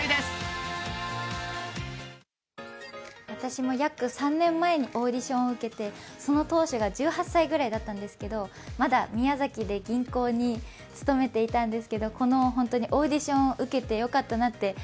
私も約３年前にオーディションを受けてその当時が１８歳ぐらいだったんですけど、まだ宮崎で銀行に勤めていたんですけどこのオーディションを受けてよかったなって